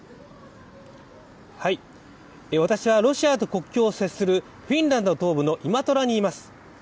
私はロシアと国境を接するフィンランド東部のイマトラにいます。